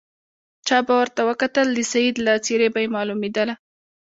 چا به ورته وکتل د سید له څېرې به یې معلومېدله.